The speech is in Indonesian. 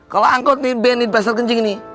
kalo angkot nih be di pasar genjing nih